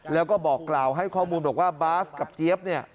แล้วก็บอกกล่าวให้ข้อมูลบอกว่าบาสกับเจี๊ยบเนี่ย